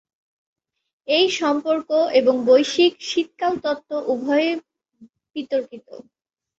এই সম্পর্ক এবং বৈশ্বিক শীতকাল তত্ত্ব উভয়ই বিতর্কিত।